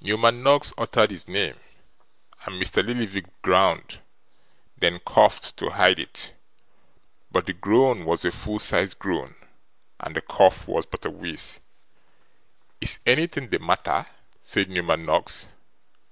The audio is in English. Newman Noggs uttered his name, and Mr. Lillyvick groaned: then coughed to hide it. But the groan was a full sized groan, and the cough was but a wheeze. 'Is anything the matter?' said Newman Noggs.